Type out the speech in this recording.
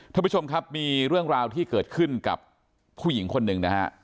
ท่านผู้ชมครับมีเรื่องราวที่เกิดขึ้นกับผู้หญิงคนหนึ่งนะฮะ